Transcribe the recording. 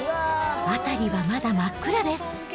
辺りはまだ真っ暗です。